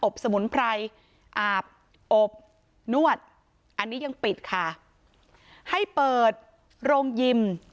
สมุนไพรอาบอบนวดอันนี้ยังปิดค่ะให้เปิดโรงยิม